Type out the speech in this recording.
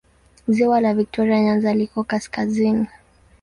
Ziwa la Viktoria Nyanza liko kaskazini.